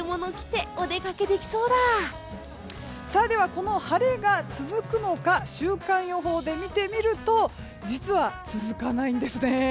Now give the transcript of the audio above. この晴れが続くのか週間予報で見てみると実は続かないんです。